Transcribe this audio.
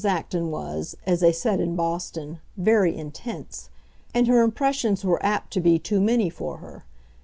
Acton was, as they said in Boston, very "intense," and her impressions were apt to be too many for her.